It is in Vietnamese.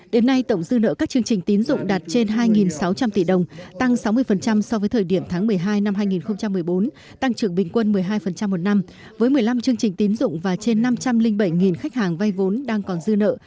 đến nay tổng dư nợ các chương trình tín dụng đạt trên hai sáu trăm linh tỷ đồng tăng sáu mươi so với thời điểm tháng một mươi hai năm hai nghìn một mươi bốn tăng trưởng bình quân một mươi hai một năm với một mươi năm chương trình tín dụng và trên năm trăm linh bảy khách hàng vay vốn đang còn dư nợ